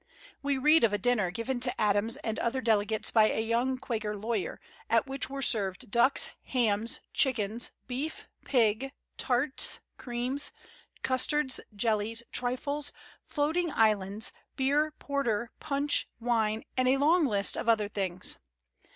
We read of a dinner given to Adams and other delegates by a young Quaker lawyer, at which were served ducks, hams, chickens, beef, pig, tarts, cream, custards, jellies, trifles, floating islands, beer, porter, punch, wine, and a long list of other things.